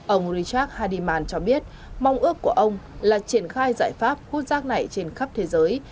ông richard hadiman cho biết mong ước của ông là triển khai giải pháp hút rác này trên khắp thế giới